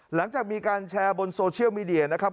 หลังจากมีการแชร์บนโซเชียลมีเดียนะครับ